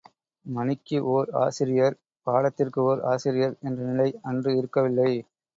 மணிக்கு ஓர் ஆசிரியர், பாடத்திற்கு ஓர் ஆசிரியர் என்ற நிலை அன்று இருக்கவில்லை.